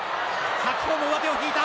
白鵬も上手を引いた。